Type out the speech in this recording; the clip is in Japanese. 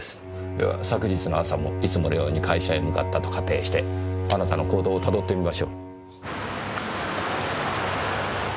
では昨日の朝もいつものように会社へ向かったと仮定してあなたの行動を辿ってみましょう。